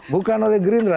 bukan oleh gerindra